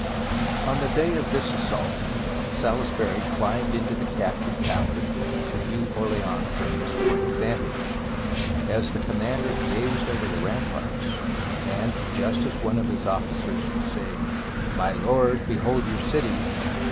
On the day of this assault, Salisbury climbed into the captured towers to view Orleans from this point of vantage. As the commander gazed over the ram parts, and just as one of his officers was saying, "My lord, behold your city!"